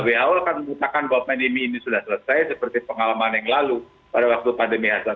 who akan mengatakan bahwa pandemi ini sudah selesai seperti pengalaman yang lalu pada waktu pandemi h satu n satu